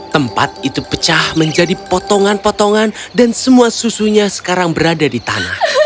tempat itu pecah menjadi potongan potongan dan semua susunya sekarang berada di tanah